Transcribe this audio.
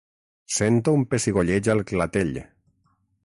Sento un pessigolleig al clatell.